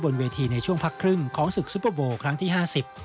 เวทีในช่วงพักครึ่งของศึกซุปเปอร์โบครั้งที่ห้าสิบ